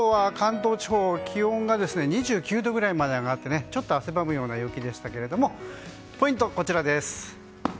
今日は関東地方気温が２９度くらいまで上がってちょっと汗ばむような陽気でしたけどポイントはこちらです。